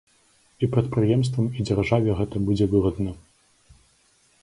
І прадпрыемствам, і дзяржаве гэта будзе выгадна.